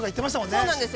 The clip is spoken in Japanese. ◆そうなんですよ。